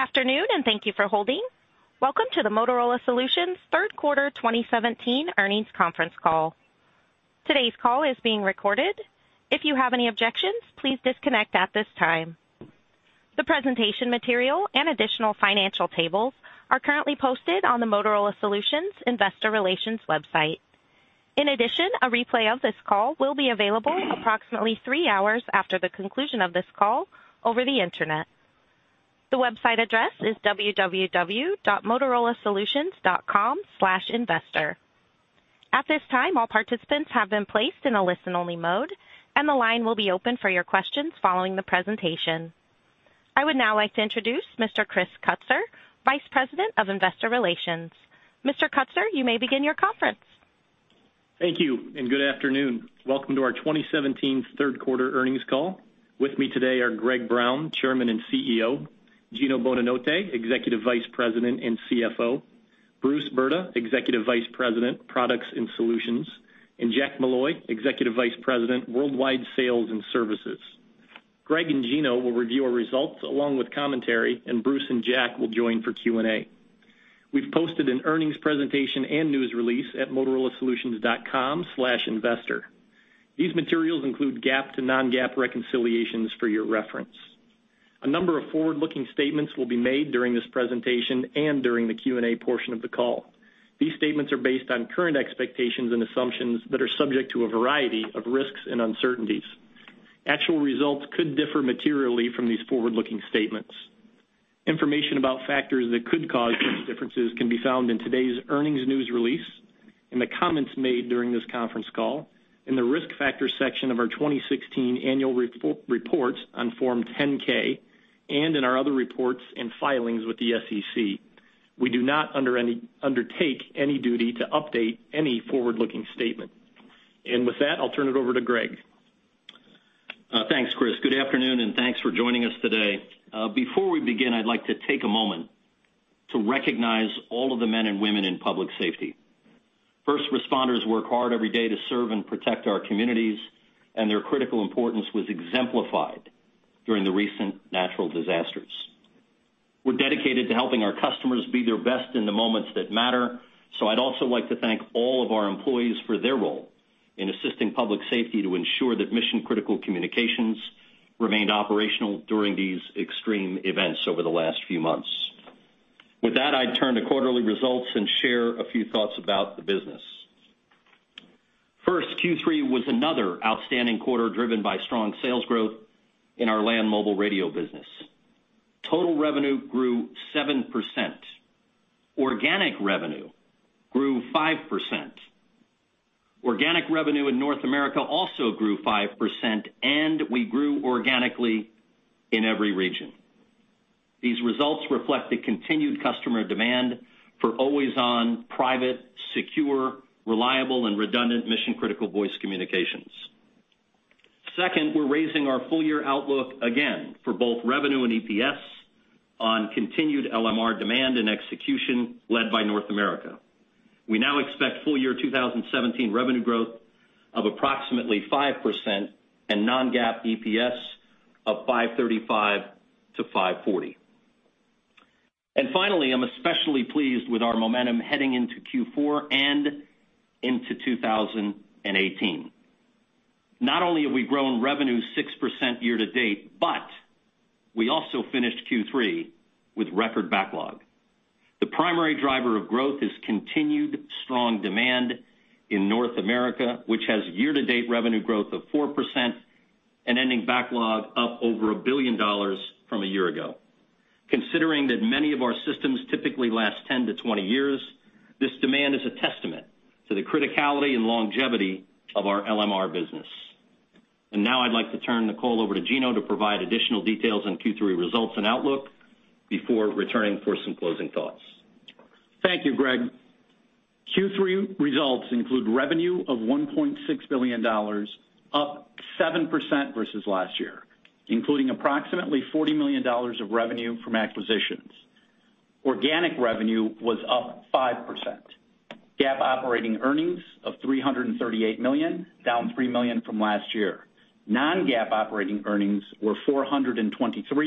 Good afternoon, and thank you for holding. Welcome to the Motorola Solutions third quarter 2017 earnings conference call. Today's call is being recorded. If you have any objections, please disconnect at this time. The presentation material and additional financial tables are currently posted on the Motorola Solutions Investor Relations website. In addition, a replay of this call will be available approximately three hours after the conclusion of this call over the Internet. The website address is www.motorolasolutions.com/investor. At this time, all participants have been placed in a listen-only mode, and the line will be open for your questions following the presentation. I would now like to introduce Mr. Chris Kutsor, Vice President of Investor Relations. Mr. Kutsor, you may begin your conference. Thank you, and good afternoon. Welcome to our 2017 third quarter earnings call. With me today are Greg Brown, Chairman and CEO, Gino Bonanotte, Executive Vice President and CFO, Bruce Brda, Executive Vice President, Products and Solutions, and Jack Molloy, Executive Vice President, Worldwide Sales and Services. Greg and Gino will review our results along with commentary, and Bruce and Jack will join for Q&A. We've posted an earnings presentation and news release at motorolasolutions.com/investor. These materials include GAAP to non-GAAP reconciliations for your reference. A number of forward-looking statements will be made during this presentation and during the Q&A portion of the call. These statements are based on current expectations and assumptions that are subject to a variety of risks and uncertainties. Actual results could differ materially from these forward-looking statements. Information about factors that could cause such differences can be found in today's earnings news release, in the comments made during this conference call, in the Risk Factors section of our 2016 annual report on Form 10-K, and in our other reports and filings with the SEC. We do not under any circumstances undertake any duty to update any forward-looking statement. With that, I'll turn it over to Greg. Thanks, Chris. Good afternoon, and thanks for joining us today. Before we begin, I'd like to take a moment to recognize all of the men and women in public safety. First responders work hard every day to serve and protect our communities, and their critical importance was exemplified during the recent natural disasters. We're dedicated to helping our customers be their best in the moments that matter, so I'd also like to thank all of our employees for their role in assisting public safety to ensure that mission-critical communications remained operational during these extreme events over the last few months. With that, I'd turn to quarterly results and share a few thoughts about the business. First, Q3 was another outstanding quarter, driven by strong sales growth in our land mobile radio business. Total revenue grew 7%. Organic revenue grew 5%. Organic revenue in North America also grew 5%, and we grew organically in every region. These results reflect the continued customer demand for always-on, private, secure, reliable, and redundant mission-critical voice communications. Second, we're raising our full-year outlook again for both revenue and EPS on continued LMR demand and execution led by North America. We now expect full-year 2017 revenue growth of approximately 5% and non-GAAP EPS of $5.35-$5.40. And finally, I'm especially pleased with our momentum heading into Q4 and into 2018. Not only have we grown revenue 6% year-to-date, but we also finished Q3 with record backlog. The primary driver of growth is continued strong demand in North America, which has year-to-date revenue growth of 4% and ending backlog up over $1 billion from a year ago. Considering that many of our systems typically last 10-20 years, this demand is a testament to the criticality and longevity of our LMR business. Now I'd like to turn the call over to Gino to provide additional details on Q3 results and outlook before returning for some closing thoughts. Thank you, Greg. Q3 results include revenue of $1.6 billion, up 7% versus last year, including approximately $40 million of revenue from acquisitions. Organic revenue was up 5%. GAAP operating earnings of $338 million, down $3 million from last year. Non-GAAP operating earnings were $423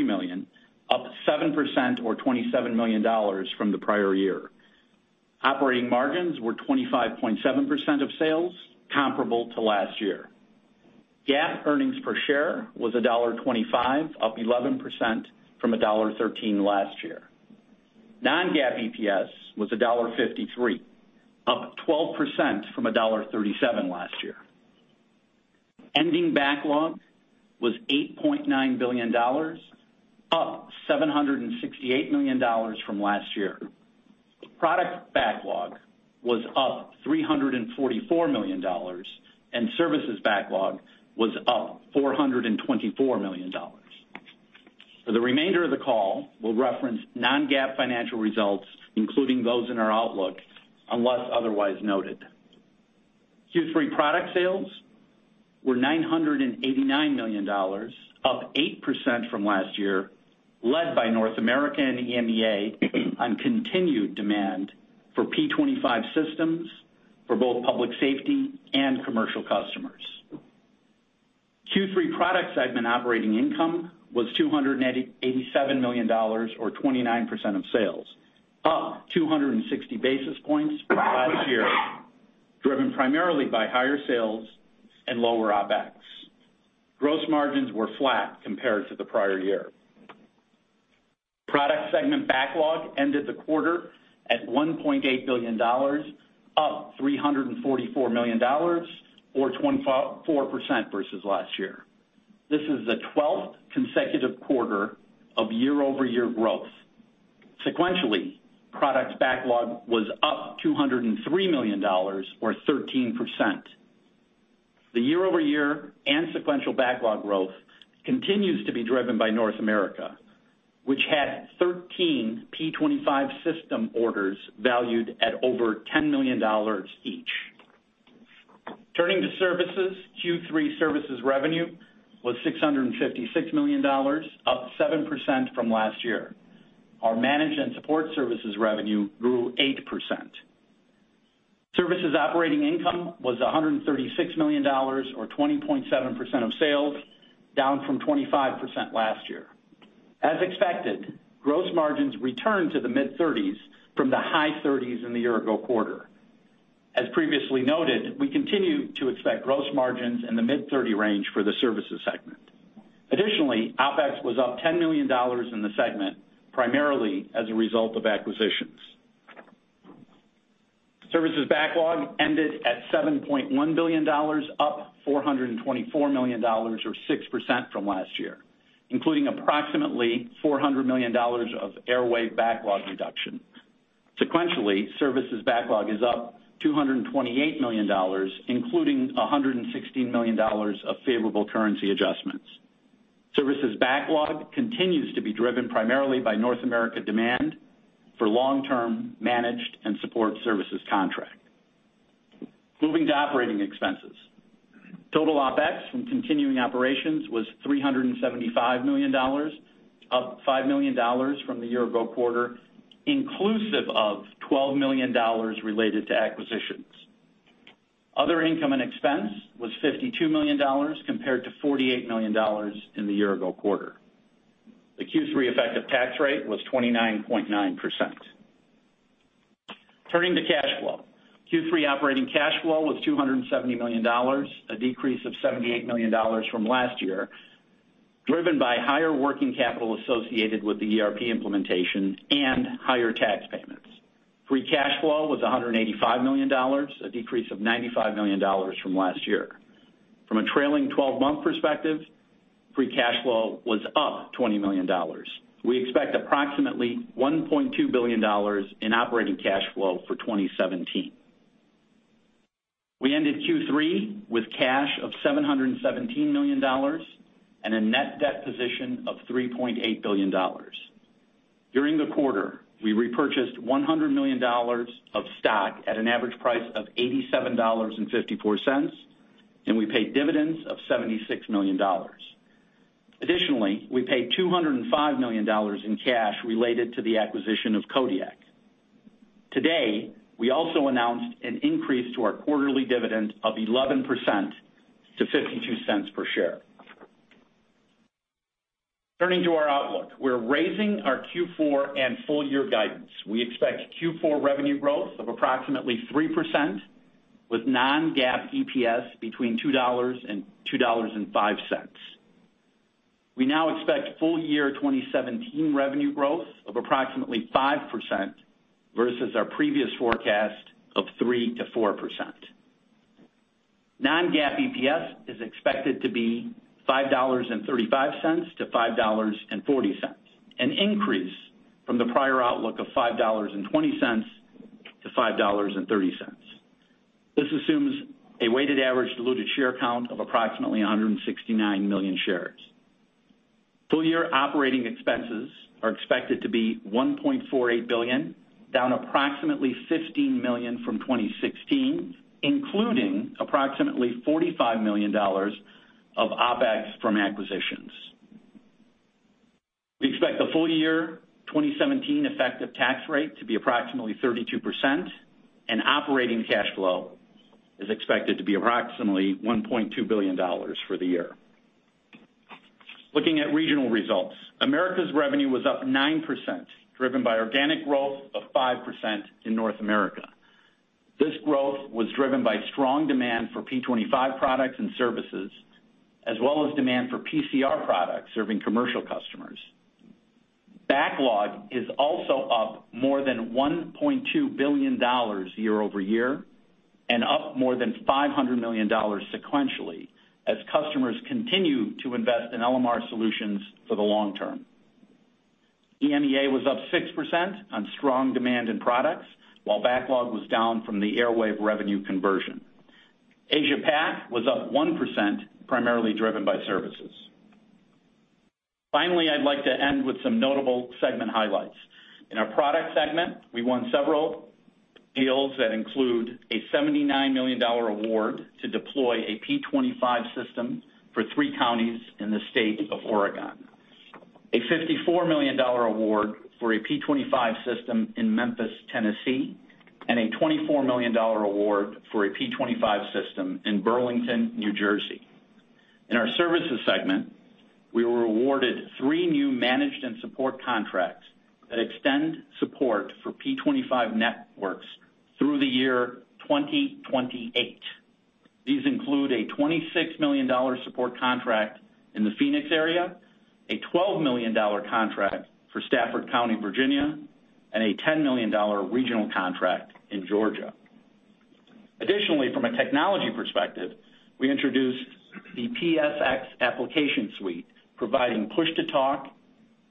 million, up 7% or $27 million from the prior year. Operating margins were 25.7% of sales, comparable to last year. GAAP earnings per share was $1.25, up 11% from $1.13 last year. Non-GAAP EPS was $1.53, up 12% from $1.37 last year. Ending backlog was $8.9 billion, up $768 million from last year. Product backlog was up $344 million, and services backlog was up $424 million. For the remainder of the call, we'll reference non-GAAP financial results, including those in our outlook, unless otherwise noted. Q3 product sales were $989 million, up 8% from last year, led by North America and EMEA on continued demand for P25 systems for both public safety and commercial customers. Q3 product segment operating income was $287 million, or 29% of sales, up 260 basis points from last year, driven primarily by higher sales and lower OpEx. Gross margins were flat compared to the prior year. Product segment backlog ended the quarter at $1.8 billion, up $344 million or 24% versus last year. This is the twelfth consecutive quarter of year-over-year growth. Sequentially, products backlog was up $203 million, or 13%. The year-over-year and sequential backlog growth continues to be driven by North America, which had 13 P25 system orders valued at over $10 million each. Turning to services, Q3 services revenue was $656 million, up 7% from last year. Our managed and support services revenue grew 8%. Services operating income was $136 million, or 20.7% of sales, down from 25% last year. As expected, gross margins returned to the mid-30s from the high 30s in the year ago quarter. As previously noted, we continue to expect gross margins in the mid-30 range for the services segment. Additionally, OpEx was up $10 million in the segment, primarily as a result of acquisitions. Services backlog ended at $7.1 billion, up $424 million, or 6% from last year, including approximately $400 million of Airwave backlog reduction. Sequentially, services backlog is up $228 million, including $116 million of favorable currency adjustments. Services backlog continues to be driven primarily by North America demand for long-term managed and support services contract. Moving to operating expenses. Total OpEx from continuing operations was $375 million, up $5 million from the year ago quarter, inclusive of $12 million related to acquisitions. Other income and expense was $52 million, compared to $48 million in the year ago quarter. The Q3 effective tax rate was 29.9%. Turning to cash flow. Q3 operating cash flow was $270 million, a decrease of $78 million from last year, driven by higher working capital associated with the ERP implementation and higher tax payments. Free cash flow was $185 million, a decrease of $95 million from last year. From a trailing twelve-month perspective, free cash flow was up $20 million. We expect approximately $1.2 billion in operating cash flow for 2017. We ended Q3 with cash of $717 million and a net debt position of $3.8 billion. During the quarter, we repurchased $100 million of stock at an average price of $87.54, and we paid dividends of $76 million. Additionally, we paid $205 million in cash related to the acquisition of Kodiak. Today, we also announced an increase to our quarterly dividend of 11% to $0.52 per share. Turning to our outlook, we're raising our Q4 and full year guidance. We expect Q4 revenue growth of approximately 3% with non-GAAP EPS between $2 and $2.05. We now expect full year 2017 revenue growth of approximately 5% versus our previous forecast of 3%-4%. Non-GAAP EPS is expected to be $5.35-$5.40, an increase from the prior outlook of $5.20-$5.30. This assumes a weighted average diluted share count of approximately 169 million shares. Full-year operating expenses are expected to be $1.48 billion, down approximately $15 million from 2016, including approximately $45 million of OpEx from acquisitions. We expect the full-year 2017 effective tax rate to be approximately 32%, and operating cash flow is expected to be approximately $1.2 billion for the year. Looking at regional results, Americas revenue was up 9%, driven by organic growth of 5% in North America. This growth was driven by strong demand for P25 products and services, as well as demand for PCR products serving commercial customers. Backlog is also up more than $1.2 billion year-over-year, and up more than $500 million sequentially, as customers continue to invest in LMR solutions for the long term. EMEA was up 6% on strong demand in products, while backlog was down from the Airwave revenue conversion. Asia Pac was up 1%, primarily driven by services. Finally, I'd like to end with some notable segment highlights. In our product segment, we won several deals that include a $79 million award to deploy a P25 system for three counties in the state of Oregon, a $54 million award for a P25 system in Memphis, Tennessee, and a $24 million award for a P25 system in Burlington, New Jersey. In our services segment, we were awarded three new managed and support contracts that extend support for P25 networks through the year 2028. These include a $26 million support contract in the Phoenix area, a $12 million contract for Stafford County, Virginia, and a $10 million regional contract in Georgia. Additionally, from a technology perspective, we introduced the PSX application suite, providing push-to-talk,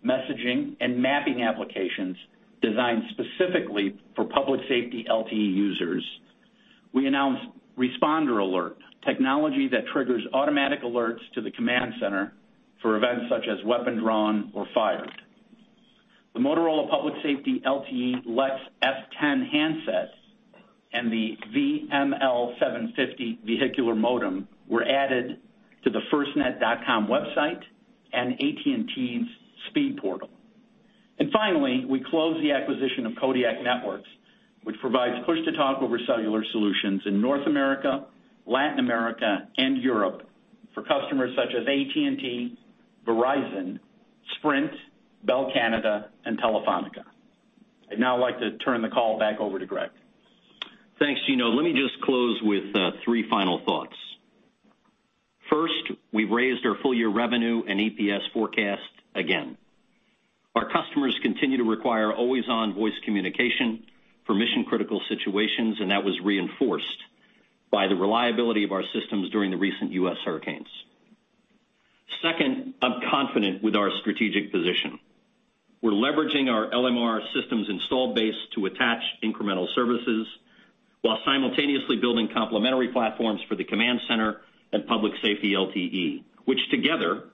messaging, and mapping applications designed specifically for public safety LTE users. We announced Responder Alert, technology that triggers automatic alerts to the command center for events such as weapon drawn or fired. The Motorola Public Safety LTE LEX F10 handsets and the VML750 vehicular modem were added to the FirstNet.com website and AT&T's SPEED portal. And finally, we closed the acquisition of Kodiak Networks, which provides push-to-talk over cellular solutions in North America, Latin America, and Europe for customers such as AT&T, Verizon, Sprint, Bell Canada, and Telefónica. I'd now like to turn the call back over to Greg. Thanks, Gino. Let me just close with three final thoughts. First, we've raised our full year revenue and EPS forecast again. Our customers continue to require always-on voice communication for mission-critical situations, and that was reinforced by the reliability of our systems during the recent U.S. hurricanes. Second, I'm confident with our strategic position. We're leveraging our LMR systems installed base to attach incremental services, while simultaneously building complementary platforms for the command center and public safety LTE, which together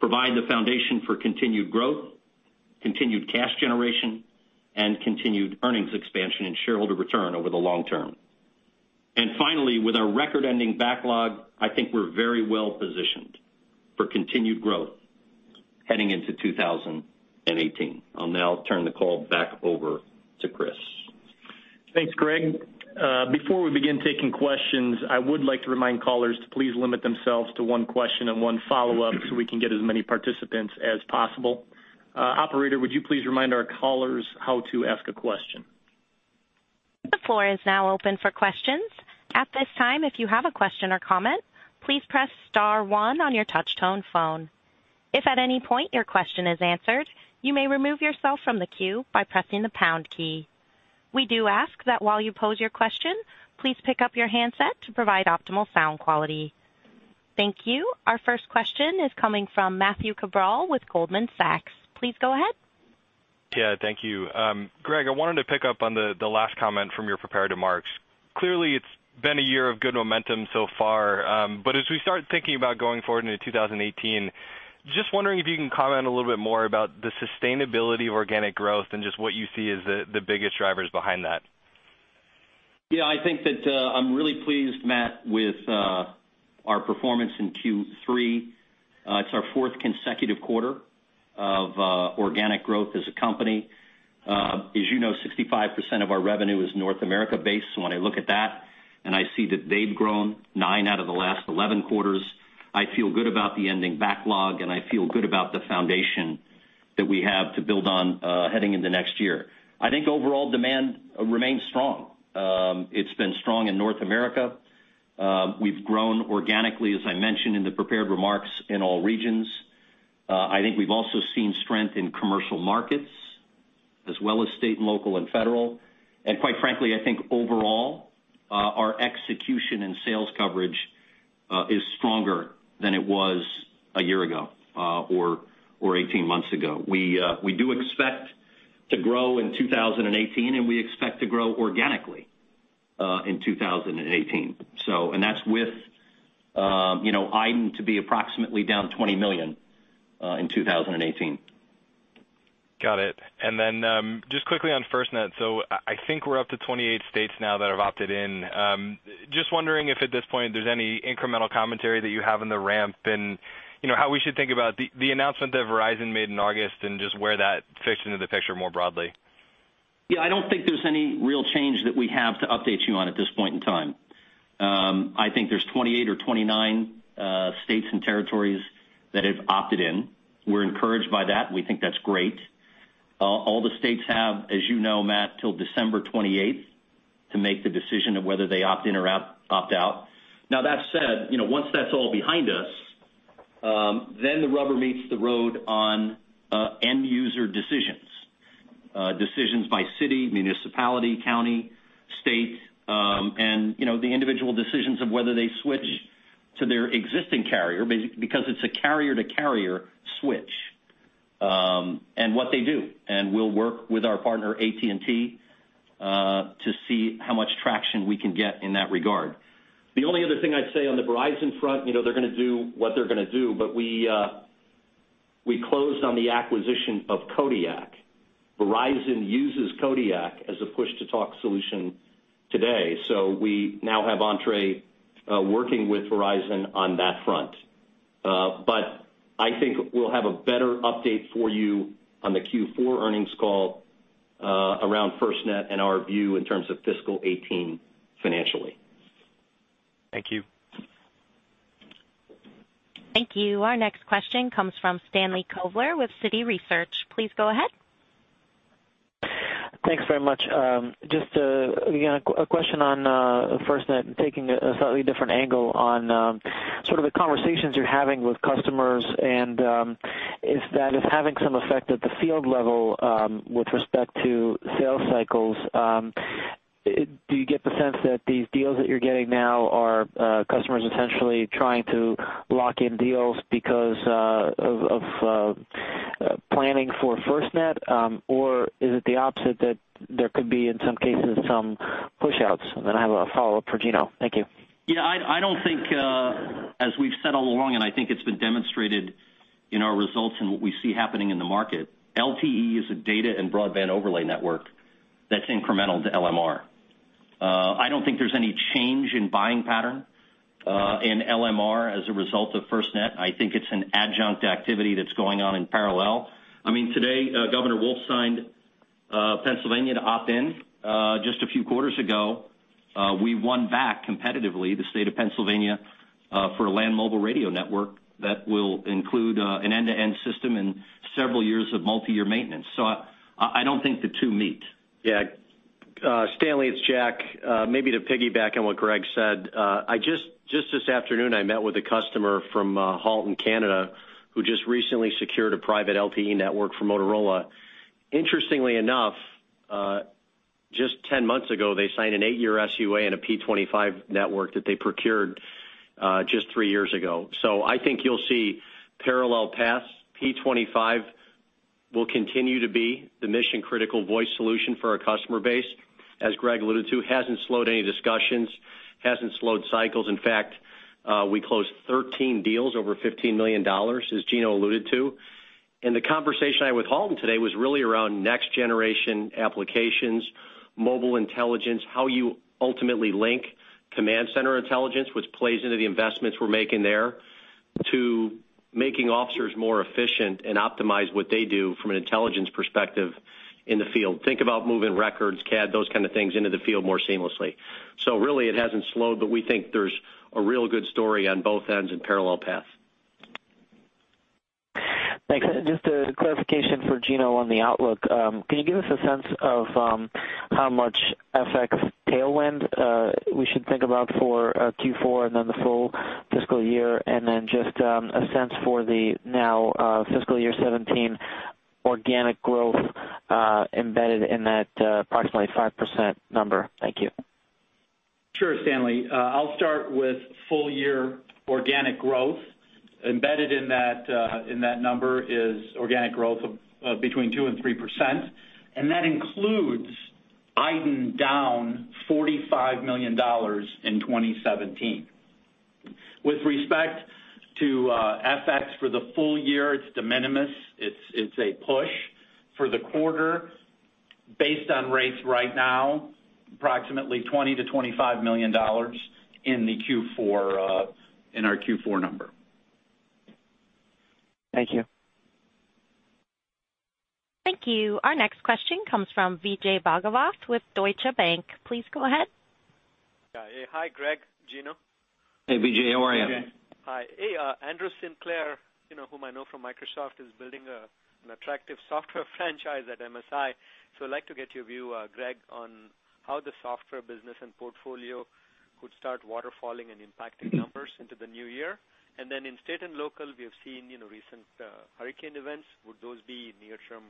provide the foundation for continued growth, continued cash generation, and continued earnings expansion and shareholder return over the long term. And finally, with our record-ending backlog, I think we're very well positioned for continued growth heading into 2018. I'll now turn the call back over to Chris. Thanks, Greg. Before we begin taking questions, I would like to remind callers to please limit themselves to one question and one follow-up, so we can get as many participants as possible. Operator, would you please remind our callers how to ask a question? The floor is now open for questions. At this time, if you have a question or comment, please press star one on your touch tone phone. If at any point your question is answered, you may remove yourself from the queue by pressing the pound key. We do ask that while you pose your question, please pick up your handset to provide optimal sound quality. Thank you. Our first question is coming from Matthew Cabral with Goldman Sachs. Please go ahead. Yeah, thank you. Greg, I wanted to pick up on the last comment from your prepared remarks. Clearly, it's been a year of good momentum so far, but as we start thinking about going forward into 2018, just wondering if you can comment a little bit more about the sustainability of organic growth and just what you see as the biggest drivers behind that. Yeah, I think that, I'm really pleased, Matt, with our performance in Q3. It's our fourth consecutive quarter of organic growth as a company. As you know, 65% of our revenue is North America-based. So when I look at that, and I see that they've grown nine out of the last 11 quarters, I feel good about the ending backlog, and I feel good about the foundation that we have to build on, heading into next year. I think overall demand remains strong. It's been strong in North America. We've grown organically, as I mentioned in the prepared remarks, in all regions. I think we've also seen strength in commercial markets, as well as state and local and federal. Quite frankly, I think overall, our execution and sales coverage is stronger than it was a year ago, or 18 months ago. We do expect to grow in 2018, and we expect to grow organically in 2018. And that's with, you know, iDEN to be approximately down $20 million in 2018. Got it. And then, just quickly on FirstNet. So I think we're up to 28 states now that have opted in. Just wondering if at this point, there's any incremental commentary that you have in the ramp and, you know, how we should think about the announcement that Verizon made in August and just where that fits into the picture more broadly. Yeah, I don't think there's any real change that we have to update you on at this point in time. I think there's 28 or 29 states and territories that have opted in. We're encouraged by that. We think that's great. All the states have, as you know, Matt, till December 28th to make the decision of whether they opt in or opt out. Now, that said, you know, once that's all behind us, then the rubber meets the road on end user decisions. Decisions by city, municipality, county, state, and, you know, the individual decisions of whether they switch to their existing carrier, basically because it's a carrier-to-carrier switch, and what they do. And we'll work with our partner, AT&T, to see how much traction we can get in that regard. The only other thing I'd say on the Verizon front, you know, they're gonna do what they're gonna do, but we closed on the acquisition of Kodiak. Verizon uses Kodiak as a push-to-talk solution today, so we now have entrée working with Verizon on that front. But I think we'll have a better update for you on the Q4 earnings call around FirstNet and our view in terms of fiscal 2018 financially. Thank you. Thank you. Our next question comes from Stanley Kovler with Citi Research. Please go ahead. Thanks very much. Just again a question on FirstNet and taking a slightly different angle on sort of the conversations you're having with customers, and if that is having some effect at the field level with respect to sales cycles, do you get the sense that these deals that you're getting now are customers essentially trying to lock in deals because of planning for FirstNet? Or is it the opposite, that there could be, in some cases, some pushouts? Then I have a follow-up for Gino. Thank you. Yeah, I don't think, as we've said all along, and I think it's been demonstrated in our results and what we see happening in the market, LTE is a data and broadband overlay network that's incremental to LMR. I don't think there's any change in buying pattern in LMR as a result of FirstNet. I think it's an adjunct activity that's going on in parallel. I mean, today, Governor Wolf signed Pennsylvania to opt in. Just a few quarters ago, we won back competitively the state of Pennsylvania for a land mobile radio network that will include an end-to-end system and several years of multiyear maintenance. So I don't think the two meet. Yeah. Stanley, it's Jack. Maybe to piggyback on what Greg said, I just this afternoon met with a customer from Halton, Canada, who just recently secured a private LTE network from Motorola. Interestingly enough, just 10 months ago, they signed an eight-year SUA and a P25 network that they procured just three years ago. So I think you'll see parallel paths. P25 will continue to be the mission-critical voice solution for our customer base, as Greg alluded to, hasn't slowed any discussions, hasn't slowed cycles. In fact, we closed 13 deals over $15 million, as Gino alluded to. The conversation I had with Halton today was really around next-generation applications, mobile intelligence, how you ultimately link command center intelligence, which plays into the investments we're making there, to making officers more efficient and optimize what they do from an intelligence perspective in the field. Think about moving records, CAD, those kind of things, into the field more seamlessly. Really, it hasn't slowed, but we think there's a real good story on both ends in parallel path. Thanks. Just a clarification for Gino on the outlook. Can you give us a sense of how much FX tailwind we should think about for Q4 and then the full fiscal year? And then just a sense for the now fiscal year 2017 organic growth embedded in that approximately 5% number. Thank you. Sure, Stanley. I'll start with full year organic growth. Embedded in that, in that number is organic growth of between 2%-3%, and that includes iDEN down $45 million in 2017. With respect to FX for the full year, it's de minimis. It's a push. For the quarter, based on rates right now, approximately $20 million-$25 million in the Q4, in our Q4 number. Thank you. Thank you. Our next question comes from Vijay Bhagavath with Deutsche Bank. Please go ahead. Yeah. Hi, Greg, Gino. Hey, Vijay, how are you? Vijay. Hi. Hey, Andrew Sinclair, you know, whom I know from Microsoft, is building an attractive software franchise at MSI. So I'd like to get your view, Greg, on how the software business and portfolio could start waterfalling and impacting numbers into the new year. And then in state and local, we have seen, you know, recent hurricane events. Would those be near-term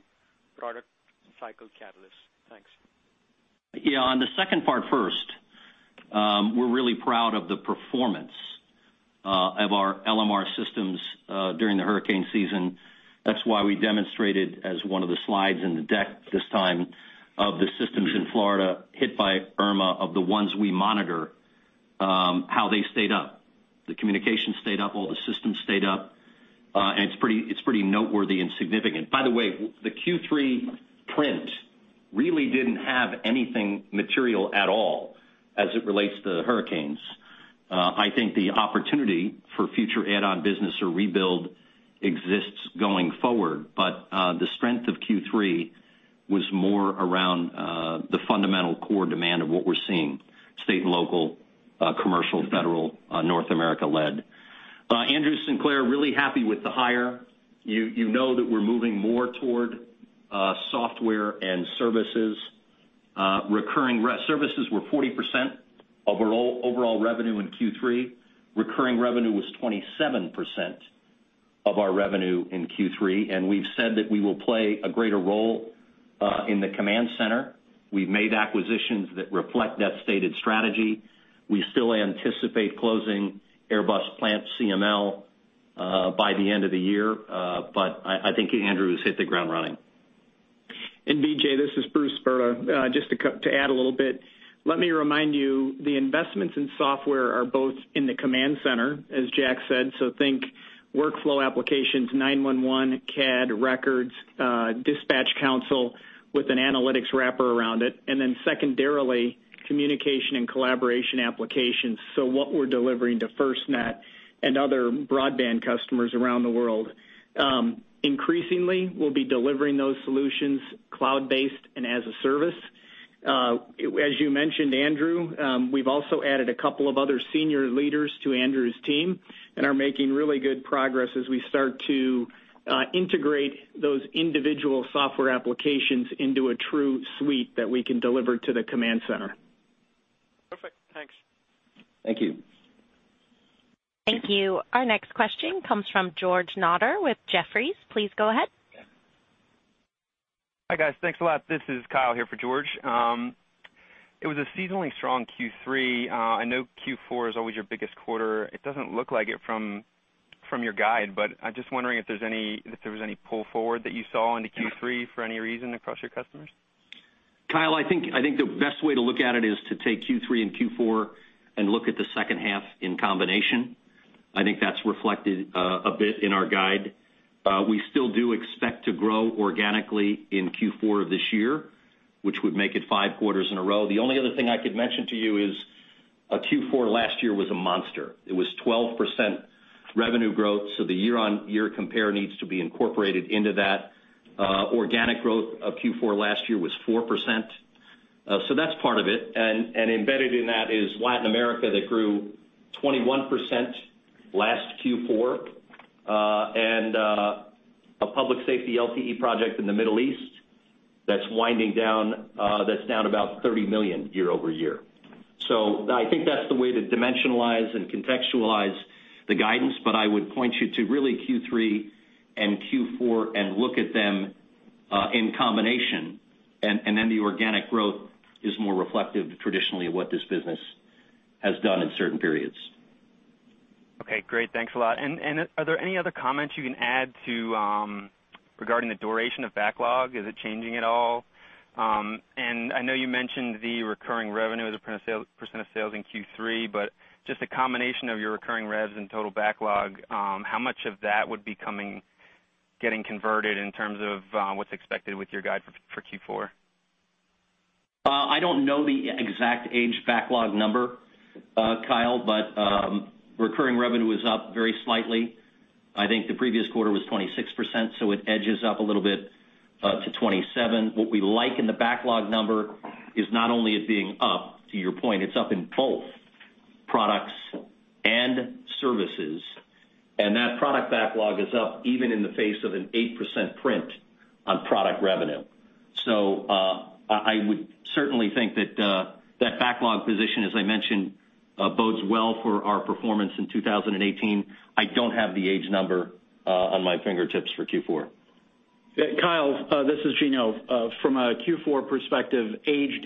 product cycle catalysts? Thanks. Yeah, on the second part first, we're really proud of the performance of our LMR systems during the hurricane season. That's why we demonstrated as one of the slides in the deck this time of the systems in Florida hit by Irma, of the ones we monitor, how they stayed up. The communication stayed up, all the systems stayed up, and it's pretty, it's pretty noteworthy and significant. By the way, the Q3 print really didn't have anything material at all as it relates to the hurricanes. I think the opportunity for future add-on business or rebuild exists going forward, but the strength of Q3 was more around the fundamental core demand of what we're seeing, state and local, commercial, federal, North America-led. Andrew Sinclair, really happy with the hire. You, you know that we're moving more toward, software and services. Recurring services were 40% of our overall revenue in Q3. Recurring revenue was 27% of our revenue in Q3, and we've said that we will play a greater role, in the command center. We've made acquisitions that reflect that stated strategy. We still anticipate closing Airbus PlantCML, by the end of the year, but I, I think Andrew has hit the ground running. Vijay, this is Bruce Brda. Just to add a little bit, let me remind you, the investments in software are both in the command center, as Jack said, so think workflow applications, 9-1-1, CAD, records, dispatch console. With an analytics wrapper around it, and then secondarily, communication and collaboration applications. So what we're delivering to FirstNet and other broadband customers around the world. Increasingly, we'll be delivering those solutions cloud-based and as a service. As you mentioned, Andrew, we've also added a couple of other senior leaders to Andrew's team and are making really good progress as we start to integrate those individual software applications into a true suite that we can deliver to the command center. Perfect. Thanks. Thank you. Thank you. Our next question comes from George Notter with Jefferies. Please go ahead. Hi, guys. Thanks a lot. This is Kyle here for George. It was a seasonally strong Q3. I know Q4 is always your biggest quarter. It doesn't look like it from your guide, but I'm just wondering if there's any—if there was any pull forward that you saw into Q3 for any reason across your customers? Kyle, I think, I think the best way to look at it is to take Q3 and Q4 and look at the second half in combination. I think that's reflected, a bit in our guide. We still do expect to grow organically in Q4 of this year, which would make it five quarters in a row. The only other thing I could mention to you is, Q4 last year was a monster. It was 12% revenue growth, so the year-on-year compare needs to be incorporated into that. Organic growth of Q4 last year was 4%. So that's part of it. And embedded in that is Latin America, that grew 21% last Q4, and a public safety LTE project in the Middle East that's winding down, that's down about $30 million year over year. So I think that's the way to dimensionalize and contextualize the guidance, but I would point you to really Q3 and Q4 and look at them in combination, and then the organic growth is more reflective traditionally of what this business has done in certain periods. Okay, great. Thanks a lot. And are there any other comments you can add to regarding the duration of backlog? Is it changing at all? And I know you mentioned the recurring revenue as a percent of sales in Q3, but just a combination of your recurring revs and total backlog, how much of that would be getting converted in terms of what's expected with your guide for Q4? I don't know the exact aged backlog number, Kyle, but recurring revenue is up very slightly. I think the previous quarter was 26%, so it edges up a little bit to 27%. What we like in the backlog number is not only it being up, to your point, it's up in both products and services, and that product backlog is up even in the face of an 8% print on product revenue. So, I would certainly think that that backlog position, as I mentioned, bodes well for our performance in 2018. I don't have the aged number on my fingertips for Q4. Kyle, this is Gino. From a Q4 perspective, heading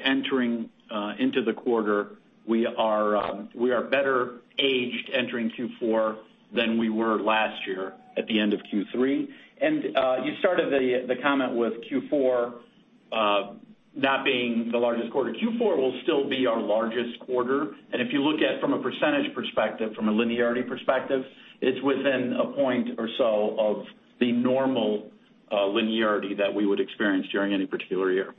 into the quarter, we are better heading into Q4 than we were last year at the end of Q3. And you started the comment with Q4 not being the largest quarter. Q4 will still be our largest quarter, and if you look at from a percentage perspective, from a linearity perspective, it's within a point or so of the normal linearity that we would experience during any particular year.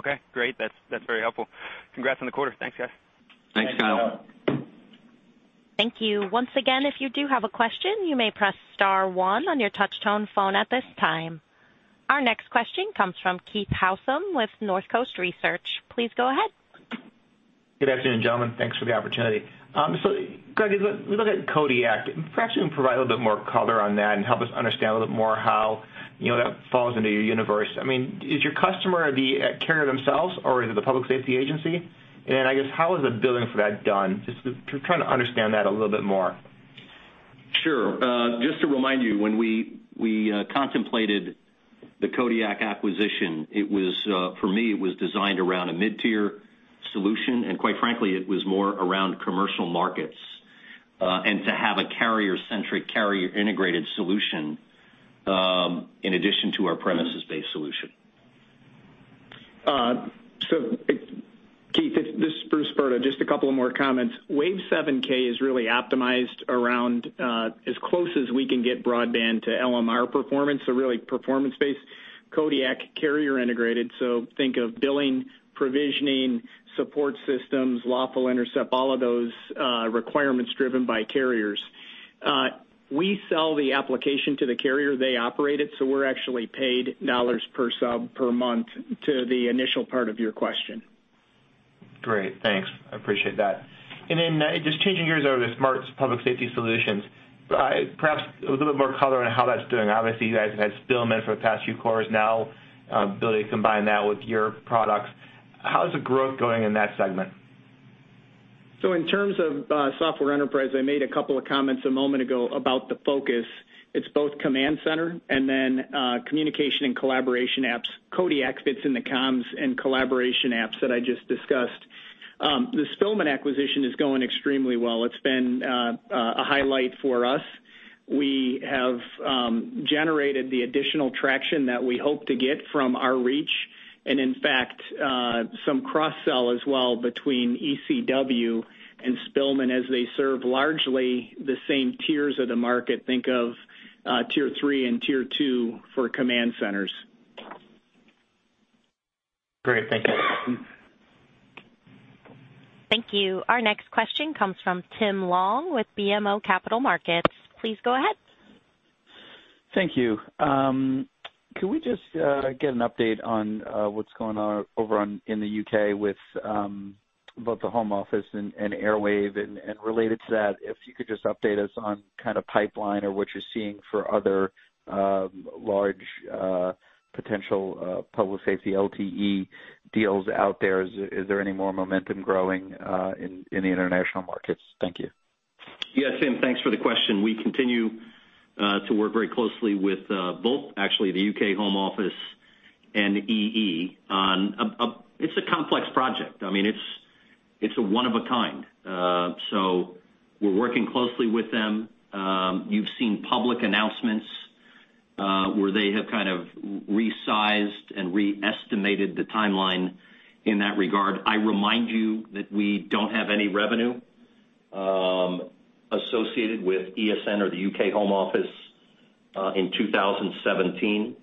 Okay, great. That's, that's very helpful. Congrats on the quarter. Thanks, guys. Thanks, Kyle. Thank you. Once again, if you do have a question, you may press star one on your touch tone phone at this time. Our next question comes from Keith Housum with Northcoast Research. Please go ahead. Good afternoon, gentlemen. Thanks for the opportunity. So, Greg, as we look at Kodiak, perhaps you can provide a little bit more color on that and help us understand a little bit more how, you know, that falls into your universe. I mean, is your customer the carrier themselves or is it the public safety agency? And I guess, how is the billing for that done? Just trying to understand that a little bit more. Sure. Just to remind you, when we contemplated the Kodiak acquisition, it was for me, it was designed around a mid-tier solution, and quite frankly, it was more around commercial markets, and to have a carrier-centric, carrier-integrated solution, in addition to our premises-based solution. So Keith, this is Bruce Brda. Just a couple of more comments. WAVE 7000 is really optimized around, as close as we can get broadband to LMR performance, so really performance-based. Kodiak, carrier-integrated, so think of billing, provisioning, support systems, lawful intercept, all of those, requirements driven by carriers. We sell the application to the carrier. They operate it, so we're actually paid dollars per sub, per month to the initial part of your question. Great, thanks. I appreciate that. And then, just changing gears over to Smart Public Safety Solutions, perhaps a little bit more color on how that's doing. Obviously, you guys had Spillman for the past few quarters now, ability to combine that with your products. How is the growth going in that segment? So in terms of Software Enterprise, I made a couple of comments a moment ago about the focus. It's both Command Center and then communication and collaboration apps. Kodiak fits in the comms and collaboration apps that I just discussed. The Spillman acquisition is going extremely well. It's been a highlight for us. We have generated the additional traction that we hope to get from our reach. In fact, some cross-sell as well between ECW and Spillman as they serve largely the same tiers of the market. Think of tier three and tier two for command centers. Great. Thank you. Thank you. Our next question comes from Tim Long with BMO Capital Markets. Please go ahead. Thank you. Can we just get an update on what's going on over in the U.K. with both the Home Office and Airwave? And related to that, if you could just update us on kind of pipeline or what you're seeing for other large potential public safety LTE deals out there. Is there any more momentum growing in the international markets? Thank you. Yes, Tim, thanks for the question. We continue to work very closely with both actually the UK Home Office and EE on a -- it's a complex project. I mean, it's a one of a kind. So we're working closely with them. You've seen public announcements where they have kind of resized and re-estimated the timeline in that regard. I remind you that we don't have any revenue associated with ESN or the UK Home Office in 2017.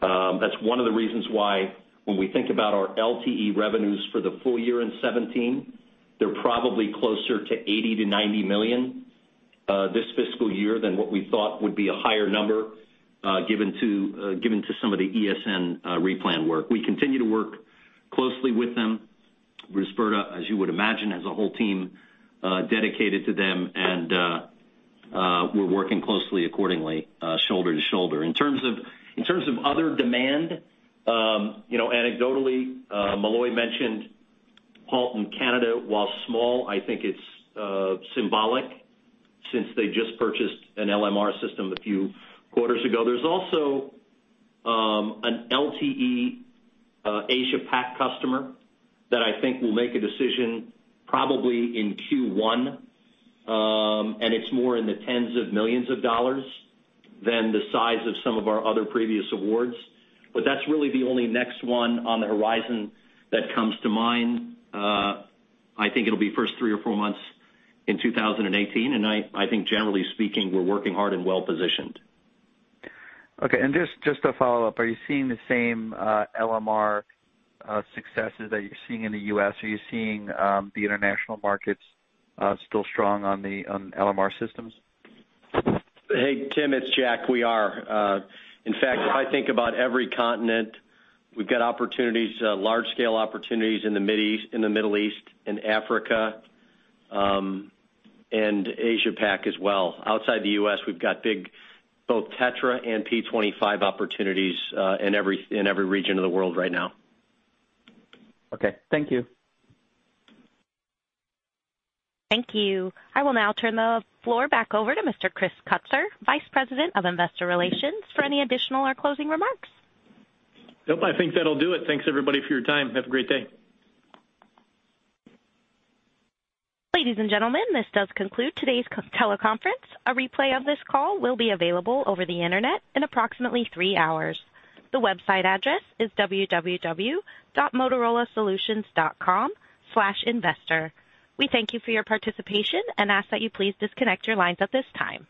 That's one of the reasons why when we think about our LTE revenues for the full year in 2017, they're probably closer to $80 million-$90 million this fiscal year than what we thought would be a higher number given to some of the ESN replan work. We continue to work closely with them. FirstNet, as you would imagine, has a whole team dedicated to them, and we're working closely accordingly, shoulder to shoulder. In terms of other demand, you know, anecdotally, Molloy mentioned Halton, Canada. While small, I think it's symbolic since they just purchased an LMR system a few quarters ago. There's also an LTE Asia Pac customer that I think will make a decision probably in Q1, and it's more in the tens of millions of dollars than the size of some of our other previous awards. But that's really the only next one on the horizon that comes to mind. I think it'll be first three or four months in 2018, and I think generally speaking, we're working hard and well positioned. Okay. And just, just to follow up, are you seeing the same LMR successes that you're seeing in the U.S.? Are you seeing the international markets still strong on the LMR systems? Hey, Tim, it's Jack. We are. In fact, if I think about every continent, we've got opportunities, large scale opportunities in the Middle East, in the Middle East and Africa, and Asia Pac as well. Outside the U.S., we've got big both TETRA and P25 opportunities, in every region of the world right now. Okay, thank you. Thank you. I will now turn the floor back over to Mr. Chris Kutsor, Vice President of Investor Relations, for any additional or closing remarks. Yep, I think that'll do it. Thanks, everybody, for your time. Have a great day. Ladies and gentlemen, this does conclude today's teleconference. A replay of this call will be available over the internet in approximately three hours. The website address is www.motorolasolutions.com/investor. We thank you for your participation and ask that you please disconnect your lines at this time.